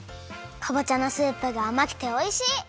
かぼちゃのスープがあまくておいしい！